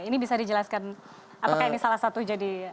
ini bisa dijelaskan apakah ini salah satu jadi